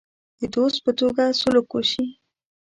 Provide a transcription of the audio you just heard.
د دوست په توګه سلوک وشي.